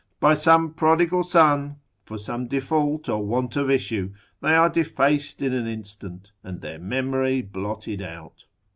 by some prodigal son, for some default, or for want of issue they are defaced in an instant, and their memory blotted out.